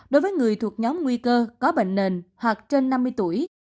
đối với người thuộc nhóm nguy cơ có bệnh nền hoặc trên năm mươi tuổi